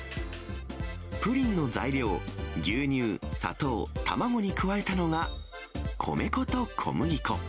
プリンの材料、牛乳、砂糖、卵に加えたのが、米粉と小麦粉。